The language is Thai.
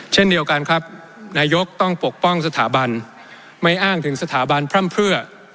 เช่นเดียวกันครับนายกต้องปกป้องสถาบันไม่อ้างถึงสถาบันพร่ำเพื่อ